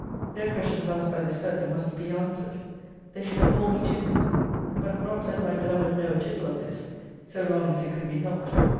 'No questions asked by this fellow must be answered. They should call me to him. But not let my beloved know a tittle of this, so long as it could be helped.